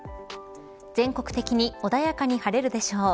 全国的に穏やかに晴れるでしょう。